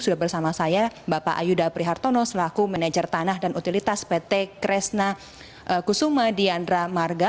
sudah bersama saya bapak ayuda prihartono selaku manajer tanah dan utilitas pt kresna kusuma diandra marga